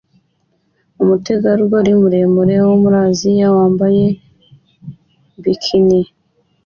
Umutegarugori muremure wo muri Aziya wambaye bikini